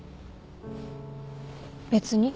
別に。